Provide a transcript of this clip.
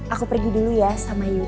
aku pergi dulu ya sama yuk